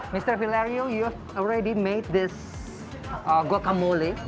mr filario anda sudah membuat guacamole